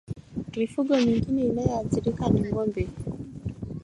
Mifugo mingine inayoathirika ni ngombe